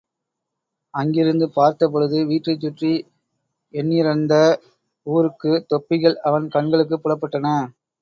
அங்கிருந்து பார்த்தபொழுது, வீட்டைச் சுற்றி எண்ணிறந்த உருக்குத் தொப்பிகள் அவன் கண்களுக்குப் புலப்பட்டன.